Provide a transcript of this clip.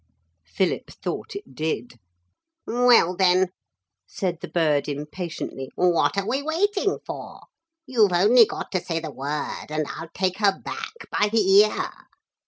Philip thought it did. 'Well, then,' said the bird impatiently, 'what are we waiting for? You've only got to say the word and I'll take her back by the ear.'